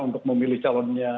untuk memilih calonnya